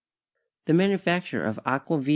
The manufacture of 'aqua Fig.